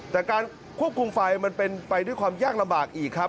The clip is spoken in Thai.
แต่การควบคุมไฟมันเป็นไปด้วยความยากลำบากอีกครับ